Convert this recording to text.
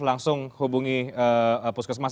langsung hubungi puskesmas